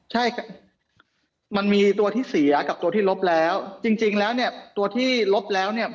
ใช่มันมีตัวที่เสียกับตัวที่ลบแล้วจริงจริงแล้วเนี่ยตัวที่ลบแล้วเนี่ย